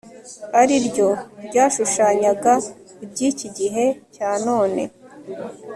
ari ryo ryashushanyaga iby iki gihe cya none